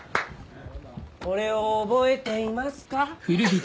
これを覚えていますか？